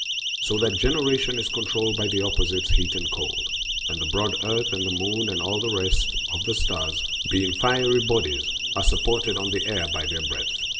So that genera tion is controlled by the opposites, heat and cold. And the broad earth is supported on air;! similarly the sun and the moon and all the rest of the stars, being fiery bodies," are supported on the air by their breadth.